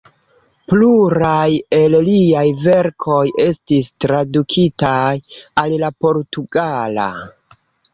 Pluraj el liaj verkoj estis tradukitaj al la portugala.